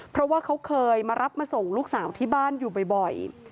เพราะว่าเขาเคยมารับมาส่งลูกสาวที่บ้านอยู่บ่อย